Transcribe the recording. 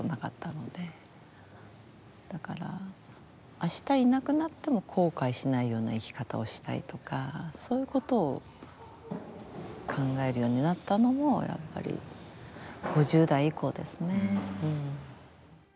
明日いなくなっても後悔しないような生き方をしたいとかそういうことを考えるようになったのもやっぱり５０代以降ですね。